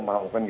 tidak bisa dong